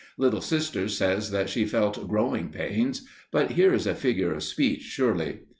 Little Sister says that she felt "growing pains," but here is a figure of speech, surely.